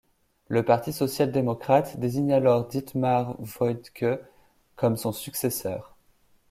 Le Parti social-démocrate désigne alors Dietmar Woidke comme son successeur.